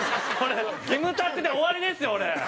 キムタクで終わりですよ俺！